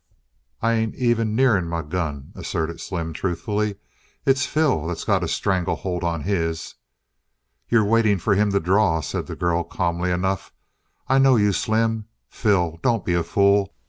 "I ain't even nearin' my gun," asserted Slim truthfully. "It's Phil that's got a strangle hold on his." "You're waiting for him to draw," said the girl calmly enough. "I know you, Slim. Phil, don't be a fool.